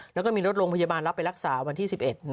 แล้วก็มีรถโรงพยาบาลรับไปรักษาวันที่๑๑